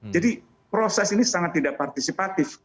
jadi proses ini sangat tidak partisipatif